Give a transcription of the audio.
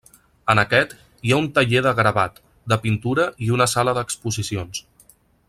En aquest, hi ha un taller de gravat, de pintura i una sala d’exposicions.